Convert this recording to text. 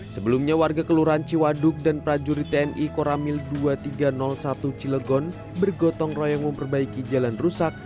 sebelumnya warga kelurahan ciwaduk dan prajurit tni koramil dua ribu tiga ratus satu cilegon bergotong royong memperbaiki jalan rusak